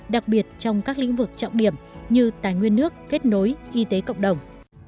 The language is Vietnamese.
đặc biệt trong các lĩnh vực trọng điểm như tài nguyên nước kết nối y tế cộng đồng